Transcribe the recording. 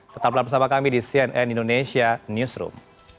tetaplah bersama kami di cnn indonesia newsroom